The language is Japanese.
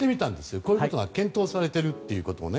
こういうことが検討されてるってことをね。